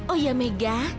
oh ya mega